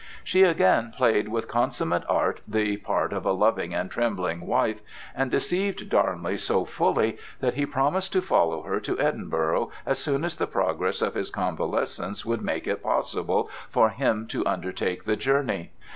She again played with consummate art the part of a loving and trembling wife, and deceived Darnley so fully that he promised to follow her to Edinburgh as soon as the progress of his convalescence would make it possible for him to undertake the journey.